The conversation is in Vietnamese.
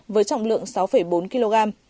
với trọng lượng sáu bốn kg